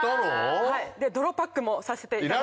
泥パックもさせていただいて。